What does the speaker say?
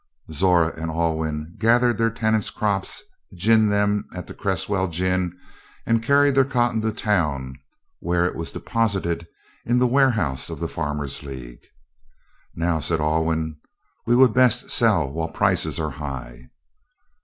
Zora and Alwyn gathered their tenants' crops, ginned them at the Cresswells' gin, and carried their cotton to town, where it was deposited in the warehouse of the Farmers' League. "Now," said Alwyn, "we would best sell while prices are high."